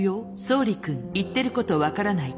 「総理君言ってること分からない」